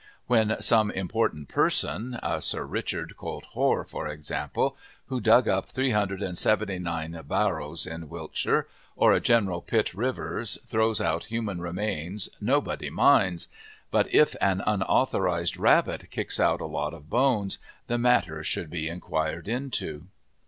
When some important person a Sir Richard Colt Hoare, for example, who dug up 379 barrows in Wiltshire, or a General Pitt Rivers throws out human remains nobody minds, but if an unauthorized rabbit kicks out a lot of bones the matter should be inquired into.